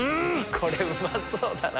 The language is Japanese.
これうまそうだな。